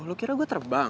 lo kira gue terbang